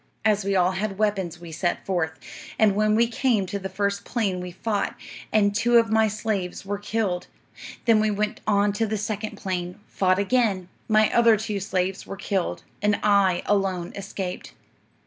"'As we all had weapons, we set forth; and when we came to the first plain we fought, and two of my slaves were killed. Then we went on to the second plain, fought again; my other two slaves were killed, and I alone escaped.